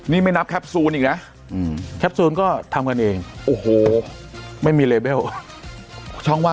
นี่ไม่นับแคปซูนอีกนะ